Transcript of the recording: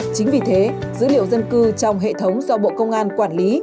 chính vì thế dữ liệu dân cư trong hệ thống do bộ công an quản lý